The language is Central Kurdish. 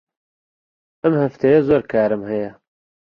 ئەم هەفتەیە زۆر کارم هەیە.